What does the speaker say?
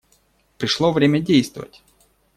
Пришло время действовать.